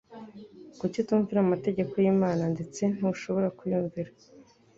kuko utumvira amategeko y’Imana, ndetse ntushobora kuyumvira